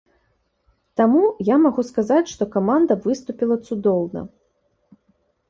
Таму я магу сказаць, што каманда выступіла цудоўна!